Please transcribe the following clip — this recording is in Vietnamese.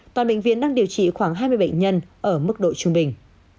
toàn bệnh viện đang điều trị khoảng hai mươi bệnh nhân ở mức độ trung bình